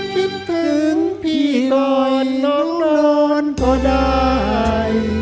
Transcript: คิดถึงพี่นอนน้องนอนก็ได้